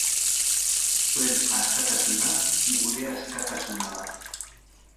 Zuen askatasuna gure askatasuna da.